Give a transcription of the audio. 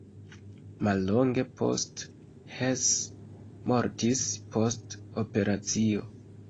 Mallonge post Hess mortis post operacio.